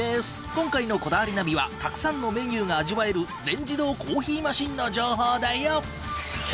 今回の『こだわりナビ』はたくさんのメニューが味わえる全自動コーヒーマシンの情報だよ！